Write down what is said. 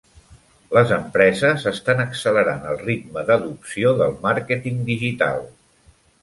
Les empreses estan accelerant el ritme d'adopció del màrqueting digital.